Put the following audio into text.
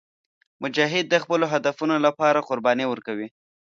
مجاهد د خپلو هدفونو لپاره قرباني ورکوي.